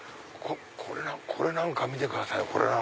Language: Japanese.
これなんか見てくださいよ。